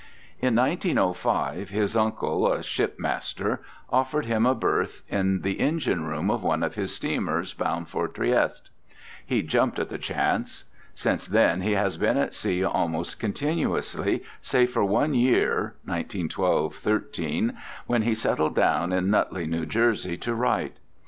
In 1905 his uncle, a shipmaster, offered him a berth in the engine room of one of his steamers, bound for Trieste. He jumped at the chance. Since then he has been at sea almost continuously, save for one year (1912 13) when he settled down in Nutley, New Jersey, to write.